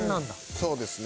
そうですね。